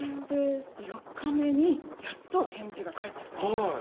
４日目にやっと返事が返ってきたんです